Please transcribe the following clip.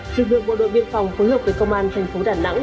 lực lượng bộ đội biên phòng phối hợp với công an thành phố đà nẵng